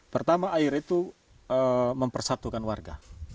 pertama air itu mempersatukan warga